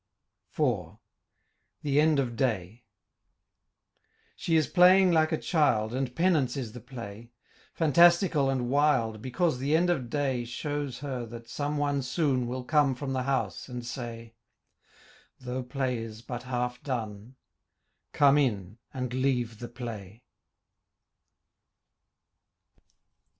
IV THE END OF DAY She is playing like a child And penance is the play, Fantastical and wild Because the end of day Shows her that some one soon Will come from the house, and say Though play is but half done 'Come in and leave the play.'